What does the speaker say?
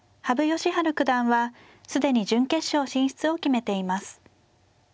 羽生善治九段は既に準決勝進出を決めています。